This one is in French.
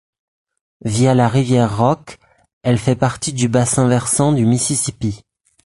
Via la rivière Rock, elle fait partie du bassin versant du Mississippi.